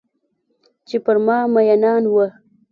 چې پر ما میینان وه